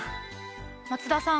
松田さん